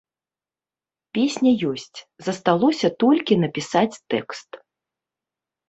Песня ёсць, засталося толькі напісаць тэкст.